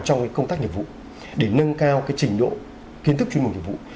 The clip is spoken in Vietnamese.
trong cái công tác nhiệm vụ để nâng cao cái trình độ kiến thức chuyên mục nhiệm vụ